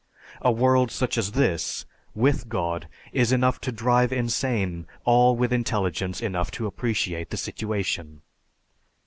A world such as this, with God, is enough to drive insane all with intelligence enough to appreciate the situation."